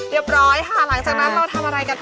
ร้อยค่ะหลังจากนั้นเราทำอะไรกันต่อ